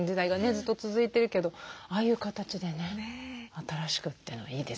ずっと続いてるけどああいう形でね新しくっていうのはいいですね。